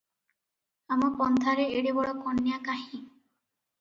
ଆମ ପନ୍ଥାରେ ଏଡେ ବଡ଼ କନ୍ୟା କାହିଁ?